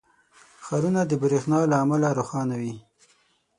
• ښارونه د برېښنا له امله روښانه وي.